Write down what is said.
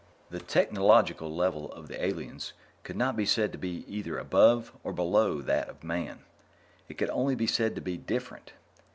The technological level of the aliens could not be said to be either "above" or "below" that of Man: it could only be said to be "different."